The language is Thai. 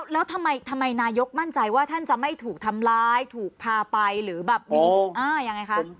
แล้วทำไมนายกมั่นใจว่าท่านจะไม่ถูกทำร้ายถูกพาไปหรือแบบมียังไงคะ